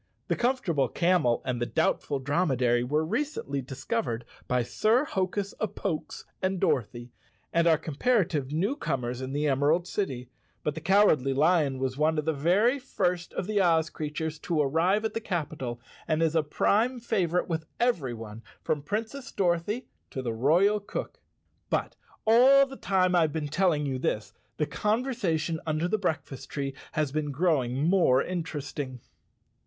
The Comfortable Camel and the Doubtful Drom¬ edary were recently discovered by Sir Hokus of Pokes and Dorothy, and are comparative new comers in the Emerald City, but the Cowardly Lion was one of the very first of the Oz creatures to arrive at the capital and is a prime favorite with everyone from Princess Dorothy to the royal (?ook. But all the time I've been telling you this, the con¬ versation under the breakfast tree has been growing more interesting.